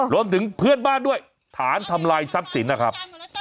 เพื่อนบ้านด้วยฐานทำลายทรัพย์สินนะครับ